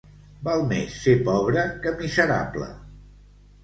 Val més ser pobre que miserable.